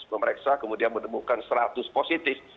memeriksa kemudian menemukan seratus positif